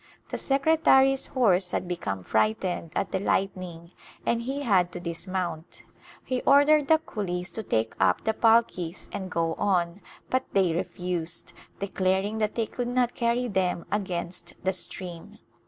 The secretary's horse had become frightened at the light ning and he had to dismount. He ordered the coolies to take up the palkis and go on but they refused, declar ing that they could not carry them against the stream.